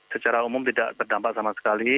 secara umum tidak berdampak sama sekali